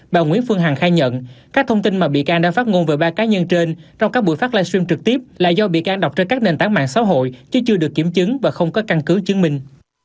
bà nguyễn phương hằng khai nhận các thông tin mà bị can đang phát ngôn về ba cá nhân trên trong các buổi phát livestream trực tiếp là do bị can đọc trên các nền tảng mạng xã hội chứ chưa được kiểm chứng và không có căn cứ chứng minh